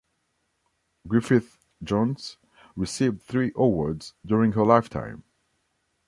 Griffith-Jones received three awards during her lifetime.